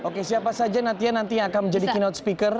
oke siapa saja nanti akan menjadi keynote speaker